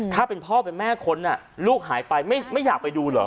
ถ้าเป็นพ่อเป็นแม่คนลูกหายไปไม่อยากไปดูเหรอ